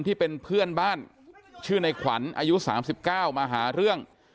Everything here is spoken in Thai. ที่เป็นเพื่อนบ้านชื่อในขวัญอายุ๓๙มาหาเรื่อง